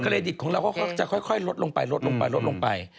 เดรดิตของเราก็จะค่อยลดลงไปลดลงไปลดลงไป